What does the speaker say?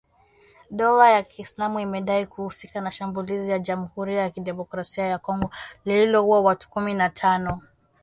Dola ya Kiislamu imedai kuhusika na shambulizi la Jamhuri ya Kidemokrasia ya Kongo lililouwa watu kumi na tano